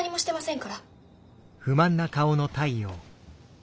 ん。